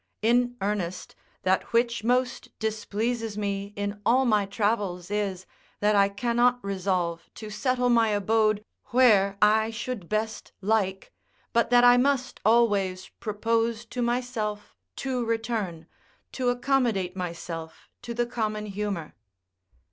In earnest, that which most displeases me in all my travels is, that I cannot resolve to settle my abode where I should best like, but that I must always propose to myself to return, to accommodate myself to the common humour.